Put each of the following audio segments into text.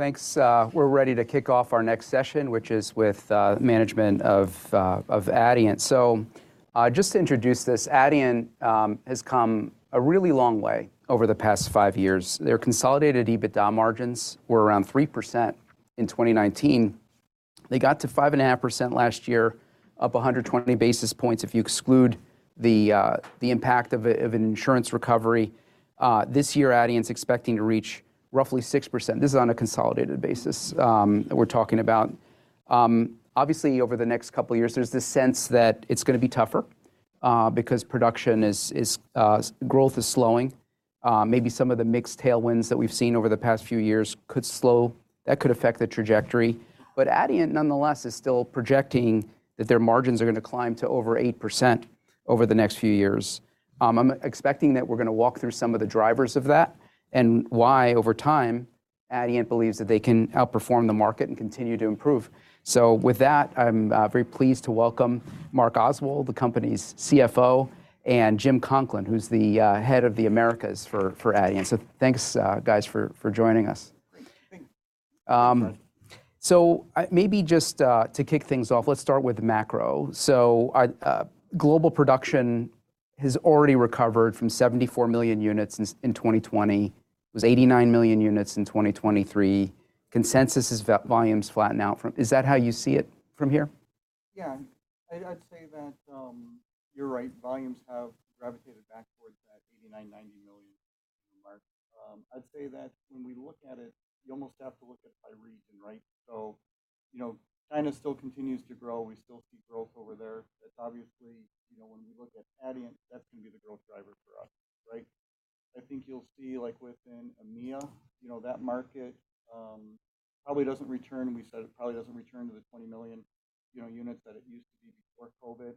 Thanks. We're ready to kick off our next session, which is with management of Adient. Just to introduce this, Adient has come a really long way over the past five years. Their consolidated EBITDA margins were around 3% in 2019. They got to 5.5% last year, up 120 basis points if you exclude the impact of an insurance recovery. This year, Adient's expecting to reach roughly 6%. This is on a consolidated basis that we're talking about. Obviously, over the next couple of years, there's this sense that it's going to be tougher because production growth is slowing. Maybe some of the mix tailwinds that we've seen over the past few years could slow. That could affect the trajectory. Adient, nonetheless, is still projecting that their margins are going to climb to over 8% over the next few years. I'm expecting that we're going to walk through some of the drivers of that and why, over time, Adient believes that they can outperform the market and continue to improve. With that, I'm very pleased to welcome Mark Oswald, the company's CFO, and Jim Conklin, who's the head of the Americas for Adient. Thanks, guys, for joining us. Thanks. So maybe just to kick things off, let's start with macro. So global production has already recovered from 74 million units in 2020, was 89 million units in 2023. Consensus is volumes flatten out from here? Is that how you see it from here? Yeah, I'd say that you're right. Volumes have gravitated back towards that 89-90 million mark. I'd say that when we look at it, you almost have to look at it by region, right? So, you know, China still continues to grow. We still see growth over there. That's obviously, you know, when we look at Adient, that's going to be the growth driver for us, right? I think you'll see, like within EMEA, you know, that market probably doesn't return. We said it probably doesn't return to the 20 million units that it used to be before COVID.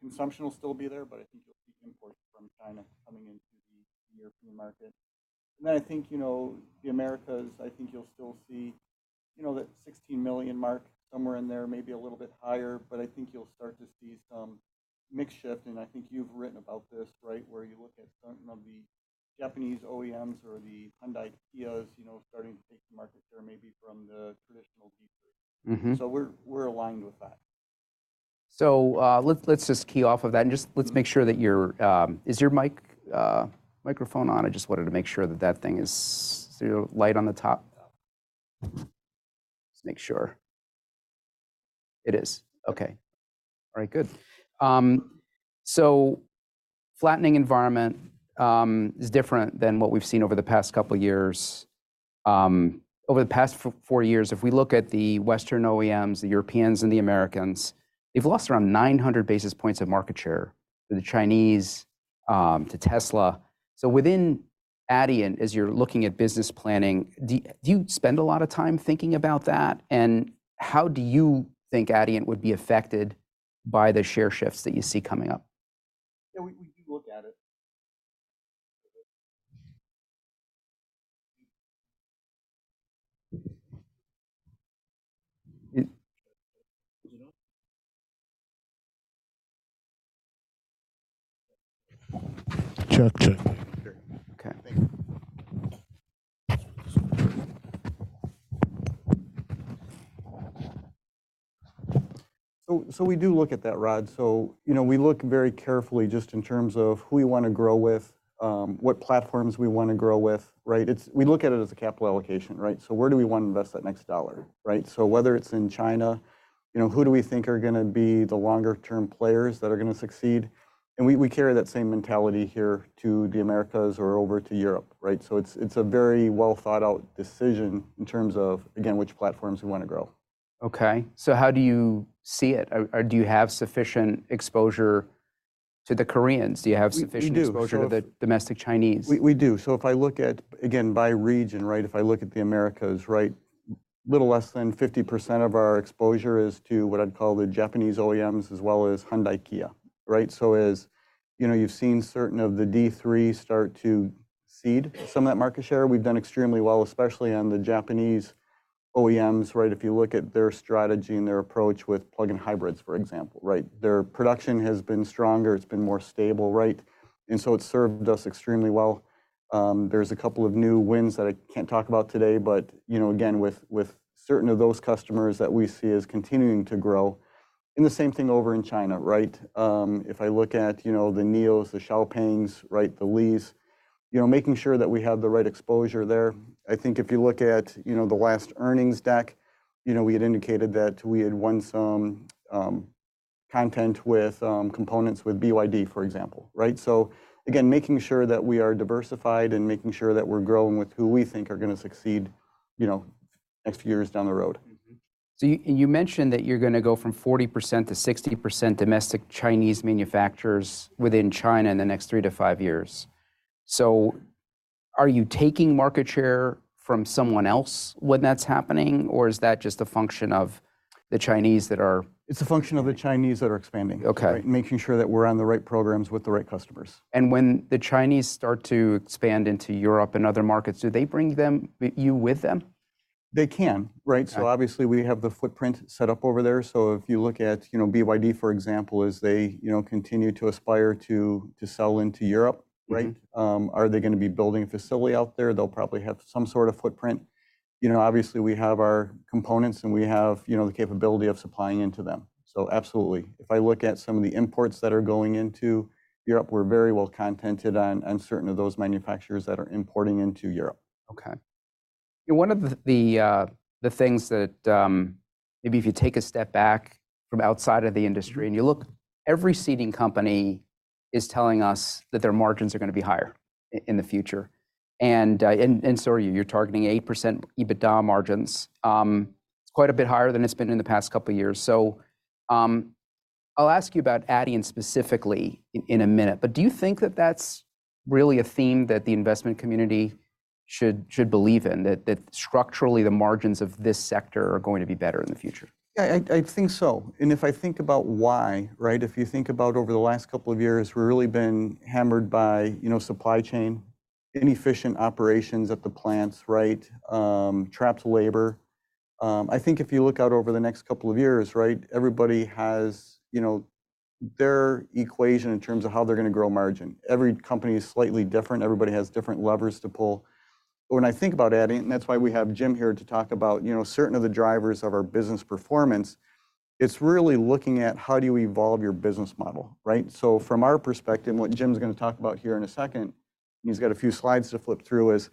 Consumption will still be there, but I think you'll see imports from China coming into the European market. And then I think, you know, the Americas, I think you'll still see, you know, that 16 million mark somewhere in there, maybe a little bit higher. I think you'll start to see some mix shift. I think you've written about this, right, where you look at some of the Japanese OEMs or the Hyundai-Kias, you know, starting to take the market there maybe from the traditional D3. We're aligned with that. So let's just key off of that and just let's make sure that is your microphone on? I just wanted to make sure that there is a light on the top? Just make sure. It is. Okay. All right. Good. So flattening environment is different than what we've seen over the past couple of years. Over the past four years, if we look at the Western OEMs, the Europeans, and the Americans, they've lost around 900 basis points of market share to the Chinese, to Tesla. So within Adient, as you're looking at business planning, do you spend a lot of time thinking about that? And how do you think Adient would be affected by the share shifts that you see coming up? Yeah, we do look at it. Check, check. Okay. Thank you. We do look at that, Rod. You know, we look very carefully just in terms of who we want to grow with, what platforms we want to grow with, right? We look at it as a capital allocation, right? So where do we want to invest that next dollar, right? So whether it's in China, you know, who do we think are going to be the longer term players that are going to succeed? And we carry that same mentality here to the Americas or over to Europe, right? So it's a very well thought out decision in terms of, again, which platforms we want to grow. Okay. So how do you see it? Do you have sufficient exposure to the Koreans? Do you have sufficient exposure to the domestic Chinese? We do. So if I look at, again, by region, right, if I look at the Americas, right, a little less than 50% of our exposure is to what I'd call the Japanese OEMs as well as Hyundai Kia, right? So as, you know, you've seen certain of the D3 start to cede some of that market share, we've done extremely well, especially on the Japanese OEMs, right? If you look at their strategy and their approach with plug-in hybrids, for example, right? Their production has been stronger. It's been more stable, right? And so it's served us extremely well. There's a couple of new wins that I can't talk about today, but, you know, again, with certain of those customers that we see as continuing to grow. And the same thing over in China, right? If I look at, you know, the NIOs, the XPengs, right, the Li Autos, you know, making sure that we have the right exposure there. I think if you look at, you know, the last earnings deck, you know, we had indicated that we had won some content with components with BYD, for example, right? So, again, making sure that we are diversified and making sure that we're growing with who we think are going to succeed, you know, next few years down the road. So you mentioned that you're going to go from 40%-60% domestic Chinese manufacturers within China in the next 3-5 years. So are you taking market share from someone else when that's happening, or is that just a function of the Chinese that are? It's a function of the Chinese that are expanding, making sure that we're on the right programs with the right customers. When the Chinese start to expand into Europe and other markets, do they bring you with them? They can, right? So obviously we have the footprint set up over there. So if you look at, you know, BYD, for example, as they, you know, continue to aspire to sell into Europe, right? Are they going to be building a facility out there? They'll probably have some sort of footprint. You know, obviously we have our components and we have, you know, the capability of supplying into them. So absolutely. If I look at some of the imports that are going into Europe, we're very well connected on certain of those manufacturers that are importing into Europe. Okay. One of the things that maybe if you take a step back from outside of the industry and you look, every seating company is telling us that their margins are going to be higher in the future. So are you. You're targeting 8% EBITDA margins. It's quite a bit higher than it's been in the past couple of years. I'll ask you about Adient specifically in a minute, but do you think that that's really a theme that the investment community should believe in, that structurally the margins of this sector are going to be better in the future? Yeah, I think so. And if I think about why, right, if you think about over the last couple of years, we've really been hammered by, you know, supply chain, inefficient operations at the plants, right? Trapped labor. I think if you look out over the next couple of years, right, everybody has, you know, their equation in terms of how they're going to grow margin. Every company is slightly different. Everybody has different levers to pull. But when I think about Adient, and that's why we have Jim here to talk about, you know, certain of the drivers of our business performance, it's really looking at how do you evolve your business model, right? So from our perspective, and what Jim's going to talk about here in a second, and he's got a few slides to flip through, is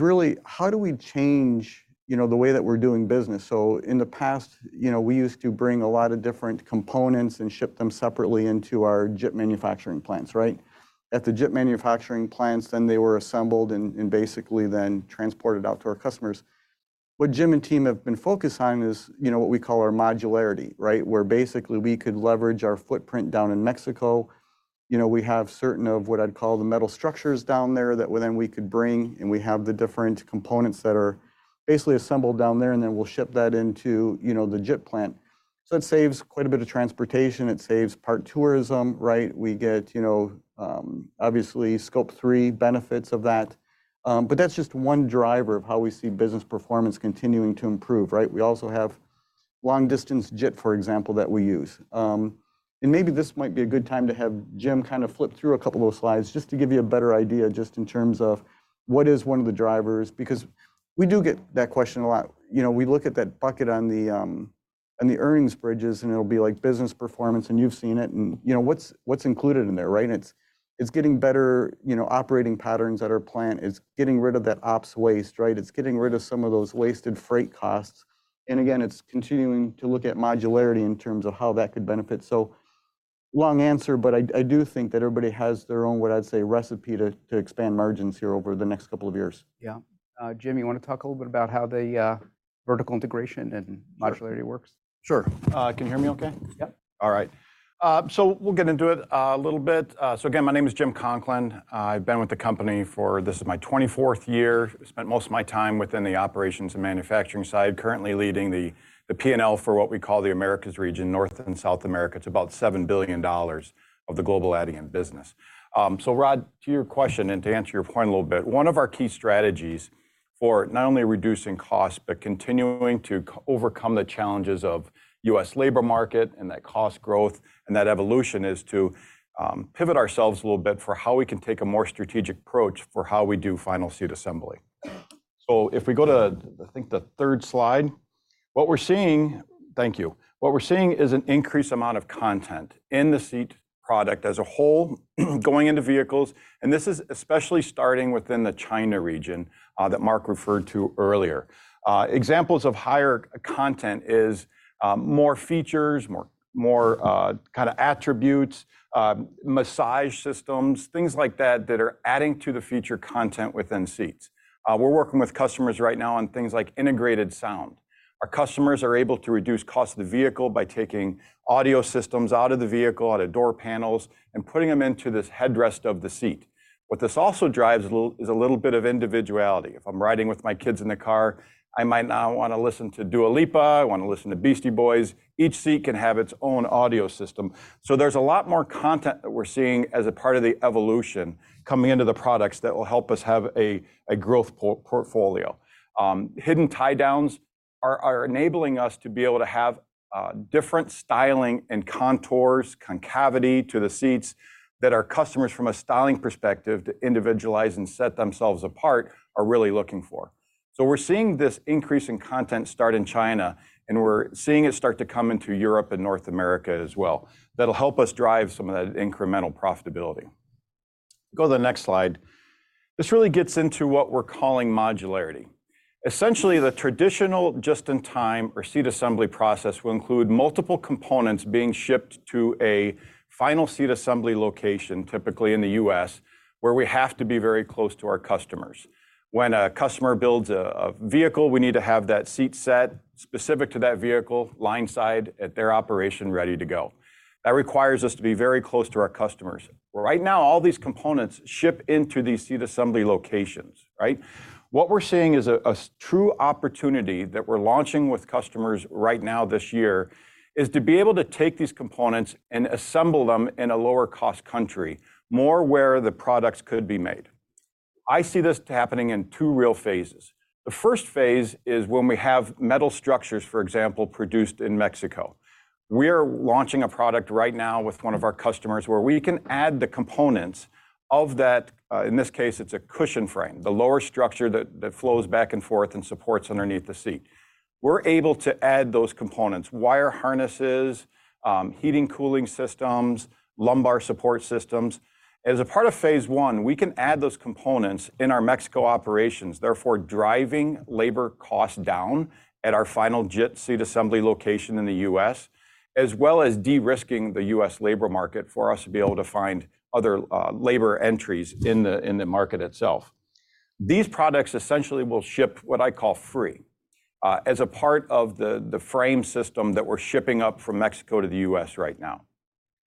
really how do we change, you know, the way that we're doing business? So in the past, you know, we used to bring a lot of different components and ship them separately into our JIT manufacturing plants, right? At the JIT manufacturing plants, then they were assembled and basically then transported out to our customers. What Jim and team have been focused on is, you know, what we call our modularity, right? Where basically we could leverage our footprint down in Mexico. You know, we have certain of what I'd call the metal structures down there that then we could bring and we have the different components that are basically assembled down there and then we'll ship that into, you know, the JIT plant. So it saves quite a bit of transportation. It saves transport costs, right? We get, you know, obviously Scope 3 benefits of that. But that's just one driver of how we see business performance continuing to improve, right? We also have long-distance JIT, for example, that we use. And maybe this might be a good time to have Jim kind of flip through a couple of those slides just to give you a better idea just in terms of what is one of the drivers? Because we do get that question a lot. You know, we look at that bucket on the earnings bridges and it'll be like business performance and you've seen it and, you know, what's included in there, right? It's getting better, you know, operating patterns at our plant. It's getting rid of that ops waste, right? It's getting rid of some of those wasted freight costs. And again, it's continuing to look at modularity in terms of how that could benefit. So long answer, but I do think that everybody has their own, what I'd say, recipe to expand margins here over the next couple of years. Yeah. Jim, you want to talk a little bit about how the vertical integration and modularity works? Sure. Can you hear me okay? Yep. All right. So we'll get into it a little bit. So again, my name is Jim Conklin. I've been with the company for this is my 24th year. Spent most of my time within the operations and manufacturing side, currently leading the P&L for what we call the Americas region, North and South America. It's about $7 billion of the global Adient business. So Rod, to your question and to answer your point a little bit, one of our key strategies for not only reducing costs, but continuing to overcome the challenges of the U.S. labor market and that cost growth and that evolution is to pivot ourselves a little bit for how we can take a more strategic approach for how we do final seat assembly. So if we go to, I think, the third slide, what we're seeing thank you. What we're seeing is an increased amount of content in the seat product as a whole going into vehicles. This is especially starting within the China region that Mark referred to earlier. Examples of higher content is more features, more kind of attributes, massage systems, things like that that are adding to the feature content within seats. We're working with customers right now on things like integrated sound. Our customers are able to reduce cost of the vehicle by taking audio systems out of the vehicle, out of door panels, and putting them into this headrest of the seat. What this also drives is a little bit of individuality. If I'm riding with my kids in the car, I might not want to listen to Dua Lipa. I want to listen to Beastie Boys. Each seat can have its own audio system. So there's a lot more content that we're seeing as a part of the evolution coming into the products that will help us have a growth portfolio. Hidden tie-downs are enabling us to be able to have different styling and contours, concavity to the seats that our customers from a styling perspective to individualize and set themselves apart are really looking for. So we're seeing this increase in content start in China and we're seeing it start to come into Europe and North America as well. That'll help us drive some of that incremental profitability. Go to the next slide. This really gets into what we're calling modularity. Essentially, the traditional just-in-time or seat assembly process will include multiple components being shipped to a final seat assembly location, typically in the U.S., where we have to be very close to our customers. When a customer builds a vehicle, we need to have that seat set specific to that vehicle, line side at their operation ready to go. That requires us to be very close to our customers. Right now, all these components ship into these seat assembly locations, right? What we're seeing is a true opportunity that we're launching with customers right now this year is to be able to take these components and assemble them in a lower cost country, more where the products could be made. I see this happening in two real phases. The first phase is when we have metal structures, for example, produced in Mexico. We are launching a product right now with one of our customers where we can add the components of that. In this case, it's a cushion frame, the lower structure that flows back and forth and supports underneath the seat. We're able to add those components, wire harnesses, heating, cooling systems, lumbar support systems. As a part of phase I, we can add those components in our Mexico operations, therefore driving labor costs down at our final JIT seat assembly location in the U.S., as well as de-risking the U.S. labor market for us to be able to find other labor entries in the market itself. These products essentially will ship what I call free as a part of the frame system that we're shipping up from Mexico to the U.S. right now.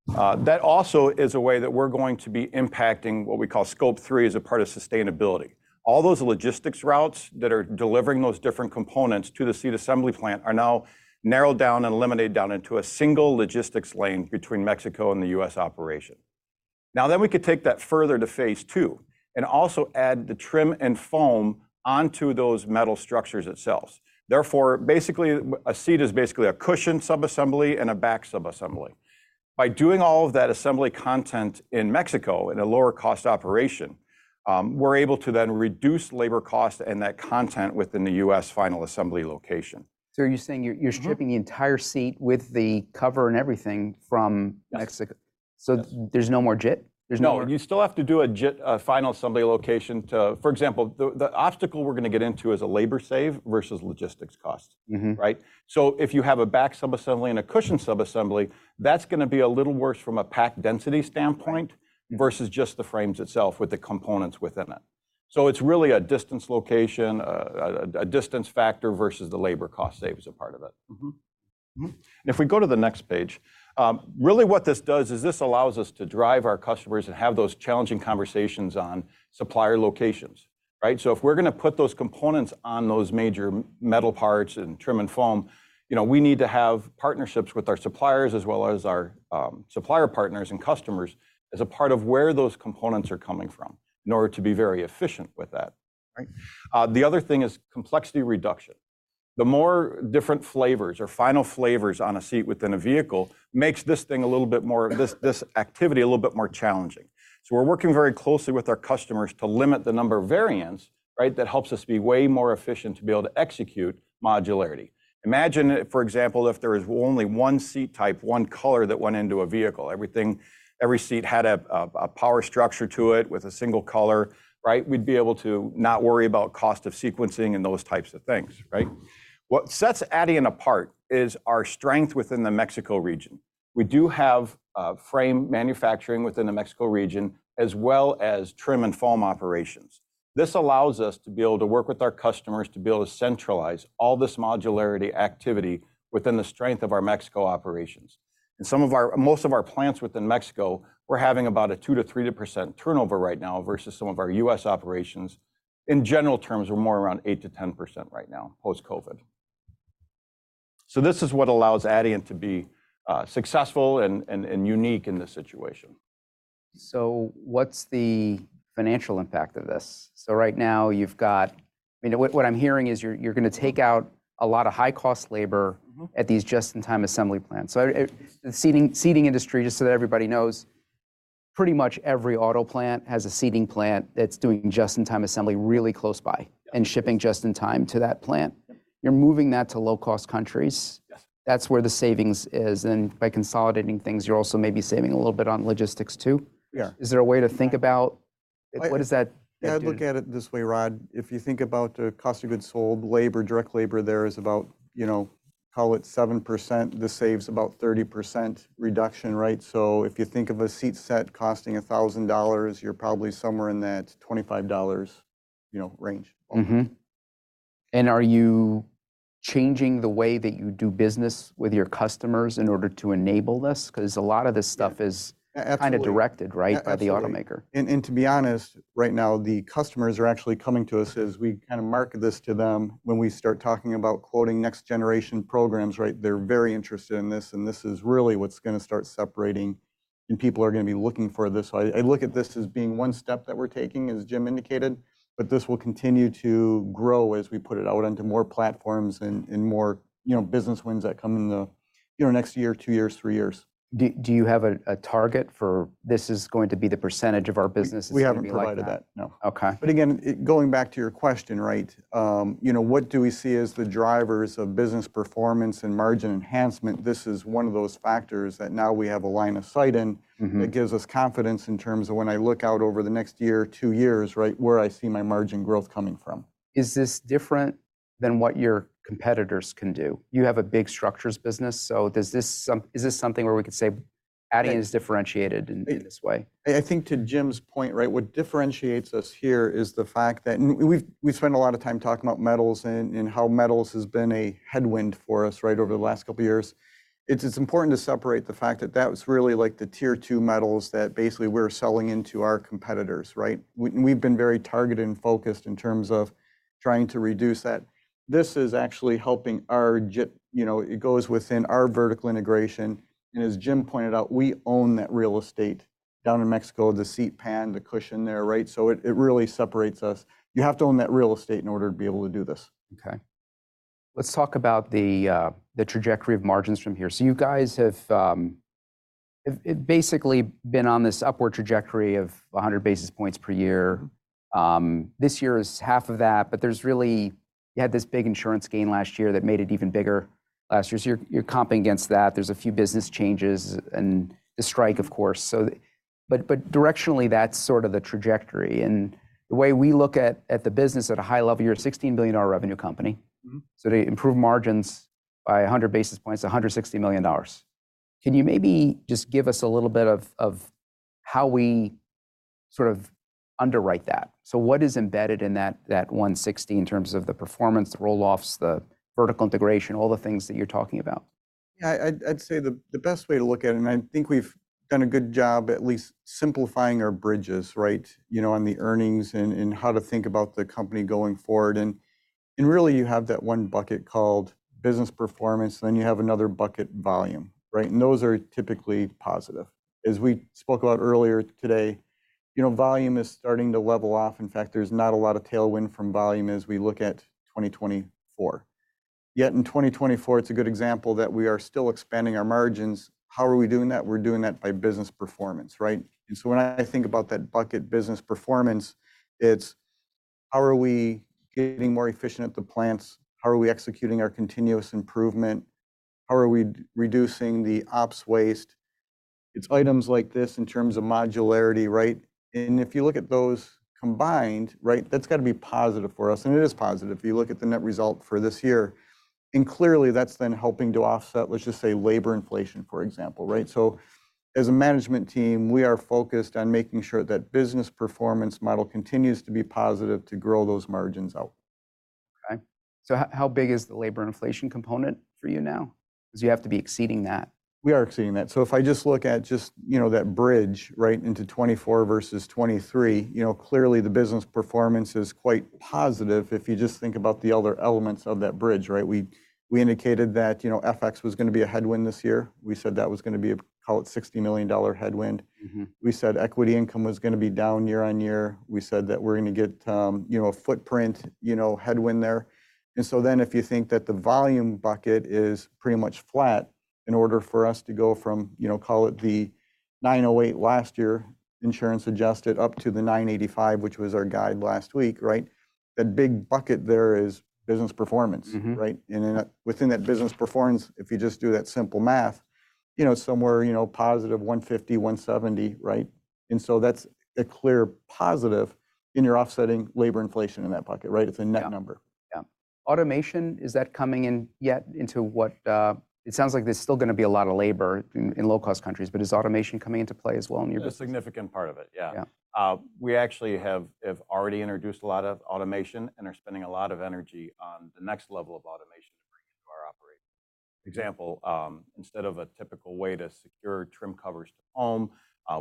That also is a way that we're going to be impacting what we call Scope 3 as a part of sustainability. All those logistics routes that are delivering those different components to the seat assembly plant are now narrowed down and eliminated down into a single logistics lane between Mexico and the U.S. operation. Now then, we could take that further to phase II and also add the trim and foam onto those metal structures itself. Therefore, basically a seat is basically a cushion subassembly and a back subassembly. By doing all of that assembly content in Mexico in a lower cost operation, we're able to then reduce labor costs and that content within the U.S. final assembly location. So are you saying you're shipping the entire seat with the cover and everything from Mexico? So there's no more JIT? No, you still have to do a final assembly location to, for example, the obstacle we're going to get into is a labor save versus logistics costs, right? So if you have a back subassembly and a cushion subassembly, that's going to be a little worse from a pack density standpoint versus just the frames itself with the components within it. So it's really a distance location, a distance factor versus the labor cost save as a part of it. If we go to the next page, really what this does is this allows us to drive our customers and have those challenging conversations on supplier locations, right? So if we're going to put those components on those major metal parts and trim and foam, you know, we need to have partnerships with our suppliers as well as our supplier partners and customers as a part of where those components are coming from in order to be very efficient with that, right? The other thing is complexity reduction. The more different flavors or final flavors on a seat within a vehicle makes this thing a little bit more, this activity a little bit more challenging. So we're working very closely with our customers to limit the number of variants, right? That helps us be way more efficient to be able to execute modularity. Imagine, for example, if there is only one seat type, one color that went into a vehicle. Everything, every seat had a power structure to it with a single color, right? We'd be able to not worry about cost of sequencing and those types of things, right? What sets Adient apart is our strength within the Mexico region. We do have frame manufacturing within the Mexico region as well as trim and foam operations. This allows us to be able to work with our customers to be able to centralize all this modularity activity within the strength of our Mexico operations. And some of our, most of our plants within Mexico, we're having about a 2%-3% turnover right now versus some of our U.S. operations. In general terms, we're more around 8%-10% right now post-COVID. So this is what allows Adient to be successful and unique in this situation. So what's the financial impact of this? So right now you've got, I mean, what I'm hearing is you're going to take out a lot of high cost labor at these just-in-time assembly plants. So the seating industry, just so that everybody knows, pretty much every auto plant has a seating plant that's doing just-in-time assembly really close by and shipping just-in-time to that plant. You're moving that to low cost countries. That's where the savings is. And by consolidating things, you're also maybe saving a little bit on logistics too. Is there a way to think about what does that... Yeah, I'd look at it this way, Rod. If you think about the cost of goods sold, labor, direct labor there is about, you know, call it 7%. This saves about 30% reduction, right? So if you think of a seat set costing $1,000, you're probably somewhere in that $25, you know, range. Are you changing the way that you do business with your customers in order to enable this? Because a lot of this stuff is kind of directed, right, by the automaker. To be honest, right now the customers are actually coming to us as we kind of market this to them when we start talking about quoting next generation programs, right? They're very interested in this and this is really what's going to start separating and people are going to be looking for this. I look at this as being one step that we're taking, as Jim indicated, but this will continue to grow as we put it out into more platforms and more, you know, business wins that come in the, you know, next year, two years, three years. Do you have a target for this is going to be the percentage of our business? We haven't provided that. No. But again, going back to your question, right? You know, what do we see as the drivers of business performance and margin enhancement? This is one of those factors that now we have a line of sight in that gives us confidence in terms of when I look out over the next year, two years, right, where I see my margin growth coming from. Is this different than what your competitors can do? You have a big structures business. So does this something where we could say Adient is differentiated in this way? I think to Jim's point, right, what differentiates us here is the fact that we've spent a lot of time talking about metals and how metals has been a headwind for us, right, over the last couple of years. It's important to separate the fact that that was really like the Tier 2 metals that basically we're selling into our competitors, right? And we've been very targeted and focused in terms of trying to reduce that. This is actually helping our, you know, it goes within our vertical integration. And as Jim pointed out, we own that real estate down in Mexico, the seat pan, the cushion there, right? So it really separates us. You have to own that real estate in order to be able to do this. Okay. Let's talk about the trajectory of margins from here. So you guys have basically been on this upward trajectory of 100 basis points per year. This year is half of that, but there's really, you had this big insurance gain last year that made it even bigger last year. So you're comping against that. There's a few business changes and the strike, of course. So, but directionally that's sort of the trajectory. And the way we look at the business at a high level, you're a $16 billion revenue company. So to improve margins by 100 basis points, $160 million. Can you maybe just give us a little bit of how we sort of underwrite that? So what is embedded in that 160 in terms of the performance, the rolloffs, the vertical integration, all the things that you're talking about? Yeah, I'd say the best way to look at it, and I think we've done a good job at least simplifying our bridges, right? You know, on the earnings and how to think about the company going forward. Really you have that one bucket called business performance and then you have another bucket volume, right? And those are typically positive. As we spoke about earlier today, you know, volume is starting to level off. In fact, there's not a lot of tailwind from volume as we look at 2024. Yet in 2024, it's a good example that we are still expanding our margins. How are we doing that? We're doing that by business performance, right? And so when I think about that bucket business performance, it's how are we getting more efficient at the plants? How are we executing our continuous improvement? How are we reducing the ops waste? It's items like this in terms of modularity, right? And if you look at those combined, right, that's got to be positive for us. And it is positive. If you look at the net result for this year, and clearly that's then helping to offset, let's just say labor inflation, for example, right? So as a management team, we are focused on making sure that business performance model continues to be positive to grow those margins out. Okay. So how big is the labor inflation component for you now? Because you have to be exceeding that. We are exceeding that. So if I just look at just, you know, that bridge, right, into 2024 versus 2023, you know, clearly the business performance is quite positive if you just think about the other elements of that bridge, right? We indicated that, you know, FX was going to be a headwind this year. We said that was going to be, call it $60 million headwind. We said equity income was going to be down year-on-year. We said that we're going to get, you know, a footprint, you know, headwind there. And so then if you think that the volume bucket is pretty much flat in order for us to go from, you know, call it the 908 last year insurance adjusted up to the 985, which was our guide last week, right? That big bucket there is business performance, right? Within that business performance, if you just do that simple math, you know, somewhere, you know, +150-170, right? So that's a clear positive in your offsetting labor inflation in that bucket, right? It's a net number. Yeah. Automation, is that coming in yet into what? It sounds like there's still going to be a lot of labor in low-cost countries, but is automation coming into play as well in your business? A significant part of it. Yeah. We actually have already introduced a lot of automation and are spending a lot of energy on the next level of automation to bring to our operations. Example, instead of a typical way to secure trim covers to foam,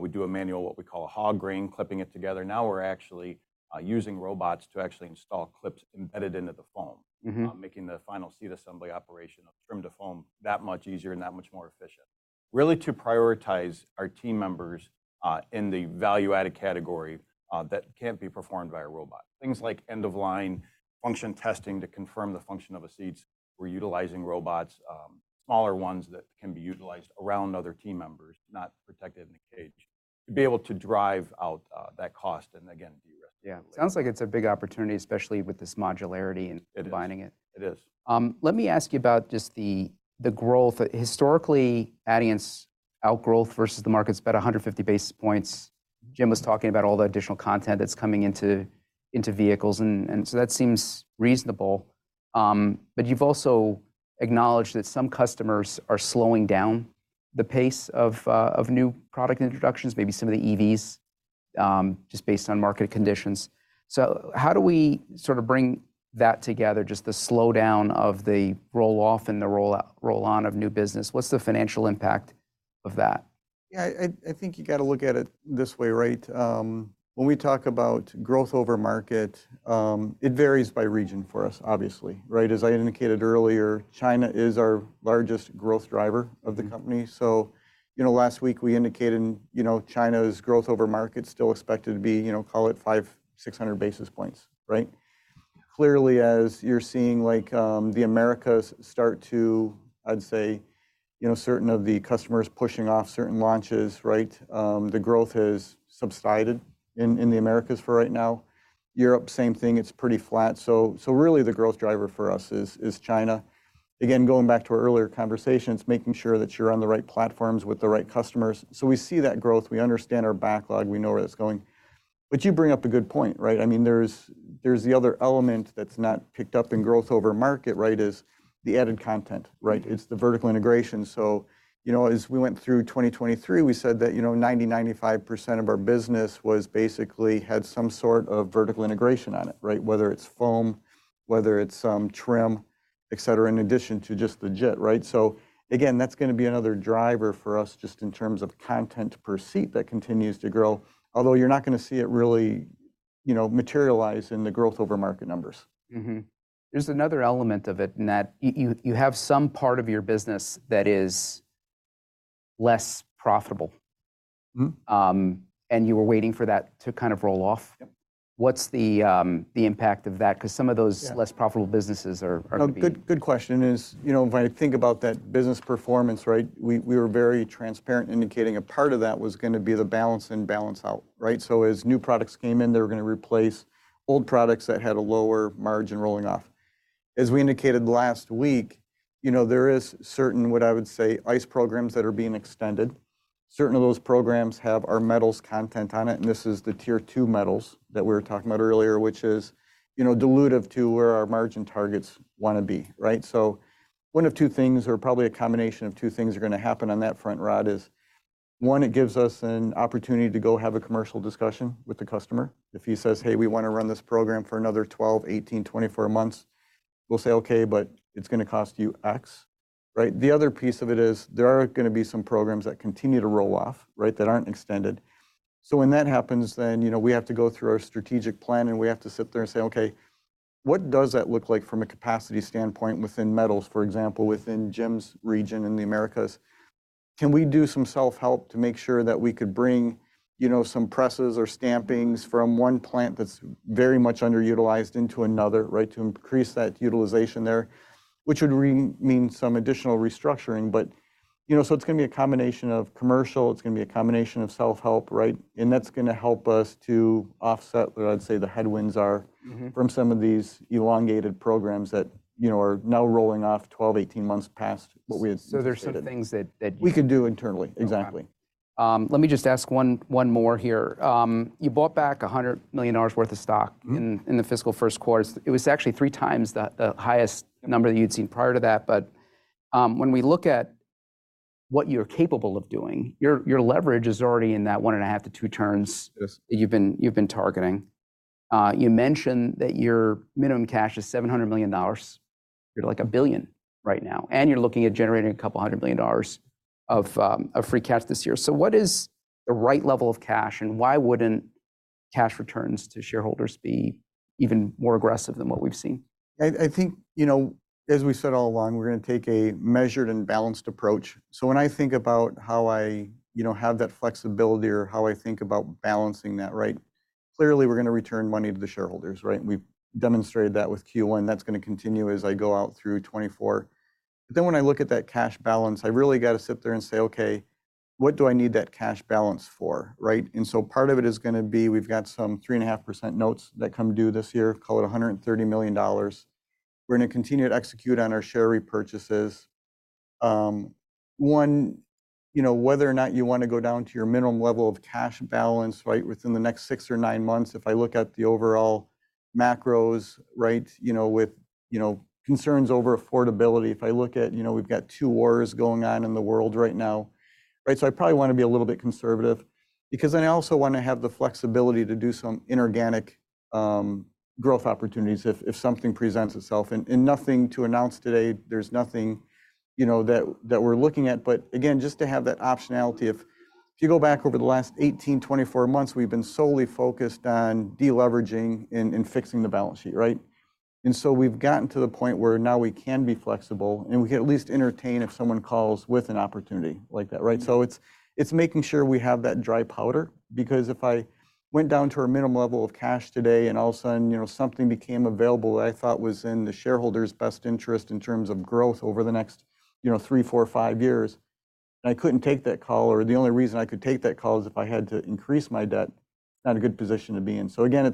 we do a manual, what we call a hog ring, clipping it together. Now we're actually using robots to actually install clips embedded into the foam, making the final seat assembly operation of trim to foam that much easier and that much more efficient. Really to prioritize our team members in the value-added category that can't be performed by a robot. Things like end-of-line function testing to confirm the function of a seat, we're utilizing robots, smaller ones that can be utilized around other team members, not protected in a cage, to be able to drive out that cost and again, de-risk. Yeah. Sounds like it's a big opportunity, especially with this modularity and combining it. It is. Let me ask you about just the growth. Historically, Adient's outgrowth versus the market's been 150 basis points. Jim was talking about all the additional content that's coming into vehicles. And so that seems reasonable. But you've also acknowledged that some customers are slowing down the pace of new product introductions, maybe some of the EVs, just based on market conditions. So how do we sort of bring that together, just the slowdown of the roll-off and the roll-on of new business? What's the financial impact of that? Yeah, I think you got to look at it this way, right? When we talk about growth over market, it varies by region for us, obviously, right? As I indicated earlier, China is our largest growth driver of the company. So, you know, last week we indicated, you know, China's growth over market still expected to be, you know, call it 500-600 basis points, right? Clearly, as you're seeing like the Americas start to, I'd say, you know, certain of the customers pushing off certain launches, right? The growth has subsided in the Americas for right now. Europe, same thing. It's pretty flat. So really the growth driver for us is China. Again, going back to our earlier conversations, making sure that you're on the right platforms with the right customers. So we see that growth. We understand our backlog. We know where it's going. But you bring up a good point, right? I mean, there's the other element that's not picked up in growth over market, right, is the added content, right? It's the vertical integration. So, you know, as we went through 2023, we said that, you know, 90%-95% of our business was basically had some sort of vertical integration on it, right? Whether it's foam, whether it's trim, etc., in addition to just the JIT, right? So again, that's going to be another driver for us just in terms of content per seat that continues to grow, although you're not going to see it really, you know, materialize in the growth over market numbers. There's another element of it in that you have some part of your business that is less profitable and you were waiting for that to kind of roll off. What's the impact of that? Because some of those less profitable businesses are going to be... Good question is, you know, if I think about that business performance, right, we were very transparent indicating a part of that was going to be the balance in, balance out, right? So as new products came in, they were going to replace old products that had a lower margin rolling off. As we indicated last week, you know, there is certain, what I would say, ICE programs that are being extended. Certain of those programs have our metals content on it. And this is the Tier two metals that we were talking about earlier, which is, you know, dilutive to where our margin targets want to be, right? So one of two things or probably a combination of two things are going to happen on that front, Rod, is one, it gives us an opportunity to go have a commercial discussion with the customer. If he says, "Hey, we want to run this program for another 12, 18, 24 months," we'll say, "Okay, but it's going to cost you X," right? The other piece of it is there are going to be some programs that continue to roll off, right, that aren't extended. So when that happens, then, you know, we have to go through our strategic plan and we have to sit there and say, "Okay, what does that look like from a capacity standpoint within metals, for example, within Jim's region in the Americas? Can we do some self-help to make sure that we could bring, you know, some presses or stampings from one plant that's very much underutilized into another, right, to increase that utilization there, which would mean some additional restructuring?" But, you know, so it's going to be a combination of commercial. It's going to be a combination of self-help, right? And that's going to help us to offset, I'd say, the headwinds from some of these elongated programs that, you know, are now rolling off 12, 18 months past what we had seen. There's some things that... We could do internally. Exactly. Let me just ask one more here. You bought back $100 million worth of stock in the fiscal first quarter. It was actually three times the highest number that you'd seen prior to that. But when we look at what you're capable of doing, your leverage is already in that 1.5-2 turns that you've been targeting. You mentioned that your minimum cash is $700 million. You're like $1 billion right now. And you're looking at generating $200 million of free cash this year. So what is the right level of cash and why wouldn't cash returns to shareholders be even more aggressive than what we've seen? I think, you know, as we said all along, we're going to take a measured and balanced approach. So when I think about how I, you know, have that flexibility or how I think about balancing that, right, clearly we're going to return money to the shareholders, right? And we've demonstrated that with Q1. That's going to continue as I go out through 2024. But then when I look at that cash balance, I really got to sit there and say, "Okay, what do I need that cash balance for?" Right? And so part of it is going to be we've got some 3.5% notes that come due this year, call it $130 million. We're going to continue to execute on our share repurchases. One, you know, whether or not you want to go down to your minimum level of cash balance, right, within the next 6 or 9 months. If I look at the overall macros, right, you know, with, you know, concerns over affordability, if I look at, you know, we've got two wars going on in the world right now, right? So I probably want to be a little bit conservative because then I also want to have the flexibility to do some inorganic growth opportunities if something presents itself. Nothing to announce today. There's nothing, you know, that we're looking at. But again, just to have that optionality, if you go back over the last 18-24 months, we've been solely focused on deleveraging and fixing the balance sheet, right? So we've gotten to the point where now we can be flexible and we can at least entertain if someone calls with an opportunity like that, right? So it's making sure we have that dry powder because if I went down to our minimum level of cash today and all of a sudden, you know, something became available that I thought was in the shareholders' best interest in terms of growth over the next, you know, three, four, five years, and I couldn't take that call, or the only reason I could take that call is if I had to increase my debt, not a good position to be in. So again,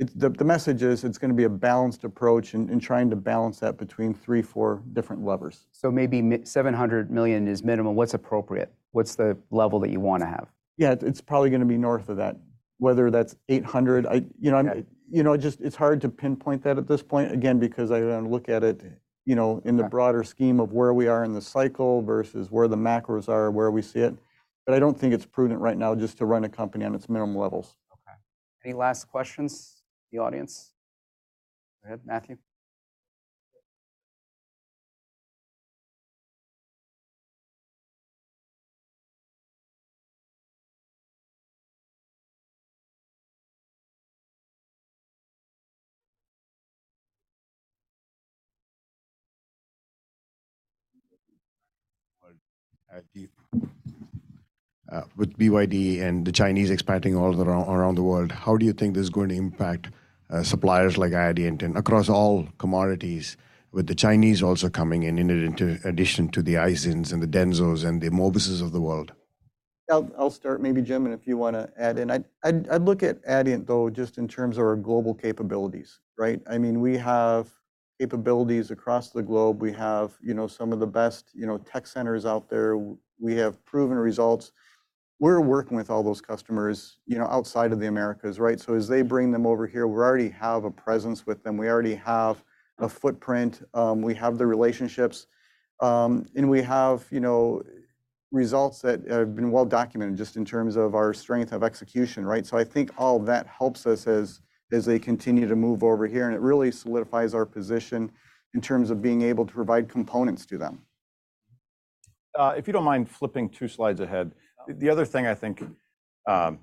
the message is it's going to be a balanced approach and trying to balance that between three, four different levers. So maybe $700 million is minimum. What's appropriate? What's the level that you want to have? Yeah, it's probably going to be north of that, whether that's $800, you know, you know, it's hard to pinpoint that at this point. Again, because I don't look at it, you know, in the broader scheme of where we are in the cycle versus where the macros are, where we see it. But I don't think it's prudent right now just to run a company on its minimum levels. Okay. Any last questions? The audience? Go ahead, Matthew. With BYD and the Chinese expanding all around the world, how do you think this is going to impact suppliers like Adient and across all commodities with the Chinese also coming in, in addition to the Aisins and the Densos and the Mobises of the world? I'll start, maybe, Jim, and if you want to add in. I'd look at Adient, though, just in terms of our global capabilities, right? I mean, we have capabilities across the globe. We have, you know, some of the best, you know, tech centers out there. We have proven results. We're working with all those customers, you know, outside of the Americas, right? So as they bring them over here, we already have a presence with them. We already have a footprint. We have the relationships and we have, you know, results that have been well documented just in terms of our strength of execution, right? So I think all of that helps us as they continue to move over here. And it really solidifies our position in terms of being able to provide components to them. If you don't mind flipping two slides ahead, the other thing I think that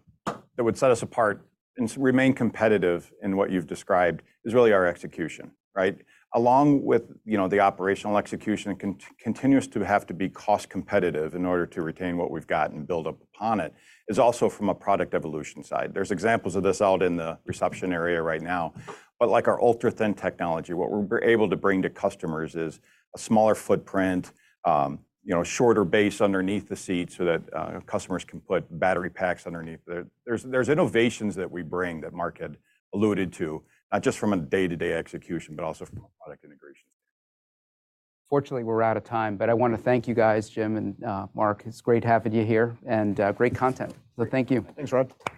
would set us apart and remain competitive in what you've described is really our execution, right? Along with, you know, the operational execution and continues to have to be cost competitive in order to retain what we've got and build upon it is also from a product evolution side. There's examples of this out in the reception area right now. But like our UltraThin technology, what we're able to bring to customers is a smaller footprint, you know, shorter base underneath the seat so that customers can put battery packs underneath. There's innovations that we bring that Mark had alluded to, not just from a day-to-day execution, but also from a product integration standpoint. Fortunately, we're out of time, but I want to thank you guys, Jim and Mark. It's great having you here and great content. Thank you. Thanks, Rod.